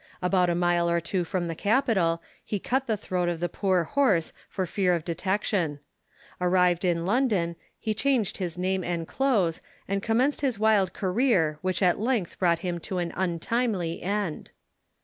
About a mile or two from the capital he cut the throat of the poor horse, for fear of detection. Arrived in London he changed his name and clothes, and commenced his wild career which at length brought him to an untimely end.